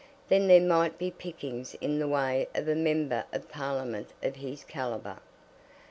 Then there might be pickings in the way of a Member of Parliament of his calibre.